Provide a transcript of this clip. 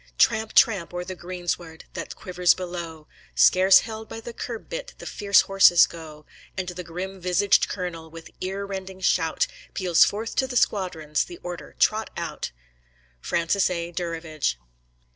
Tramp, tramp o'er the greensward That quivers below, Scarce held by the curb bit The fierce horses go! And the grim visaged colonel, With ear rending shout, Peals forth to the squadrons The order, "Trot Out"! Francis A. Durivage.